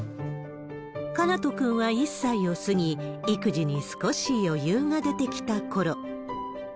奏斗くんは１歳を過ぎ、育児に少し余裕が出てきたころ。